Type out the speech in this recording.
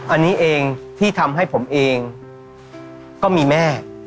อันนี้เองที่ทำให้ผมเองก็มีแม่